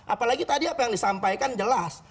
apalagi tadi apa yang disampaikan jelas